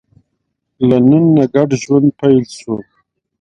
له نن نه ګډ ژوند پیل شو.